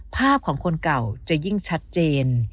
ภาพของคนเก่าจะยิ่งชัดเจน